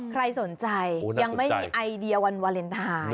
ใครสนใจยังไม่มีไอเดียวันวาเลนไทย